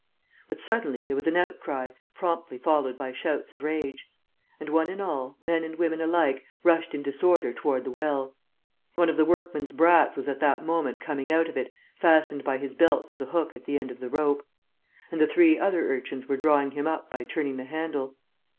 But, suddenly, there was an outcry, promptly followed by shouts of rage; and one and all, men and women alike, rushed in disorder toward the well. One of the workman's brats was at that moment coming out of it, fastened by his belt to the hook at the end of the rope; and the three other urchins were drawing him up by turning the handle.